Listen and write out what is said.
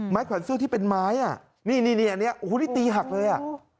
แขวนเสื้อที่เป็นไม้อ่ะนี่นี่อันนี้โอ้โหนี่ตีหักเลยอ่ะ